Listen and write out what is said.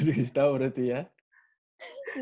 gak akan kelar itu game